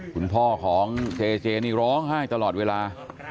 คุณพ่อของเจเจนี่ร้องไห้ตลอดเวลา